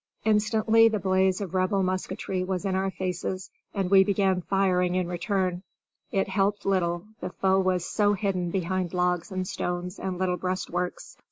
Instantly the blaze of Rebel musketry was in our faces, and we began firing in return. It helped little, the foe was so hidden behind logs and stones and little breastworks.